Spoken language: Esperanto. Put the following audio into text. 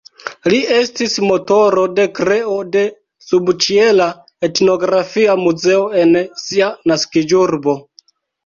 Li estis motoro de kreo de subĉiela etnografia muzeo en sia naskiĝurbo.